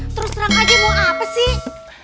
terus terang aja mau apa sih